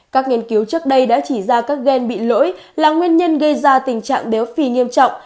các nghiên cứu trước đây đã chỉ ra các gen bị lỗi là nguyên nhân gây ra tình trạng béo phì nghiêm trọng